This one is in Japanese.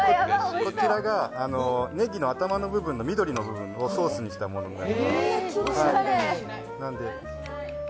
こちらが、ねぎの頭の緑の部分をソースにしたものになります。